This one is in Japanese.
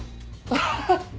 アハハ。